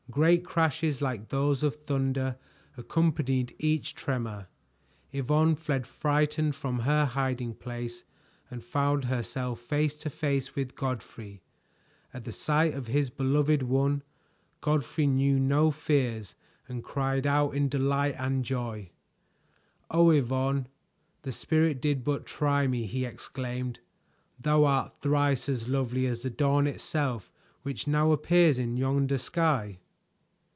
Great crashes like those of thunder accompanied each tremor; Yvonne fled frightened from her hiding place and found herself face to face with Godfrey. At the sight of his beloved one, Godfrey knew no fears and cried out in delight and joy. "Oh, Yvonne! The Spirit did but try me," he exclaimed. "Thou art thrice as lovely as the dawn itself which now appears in yonder sky!"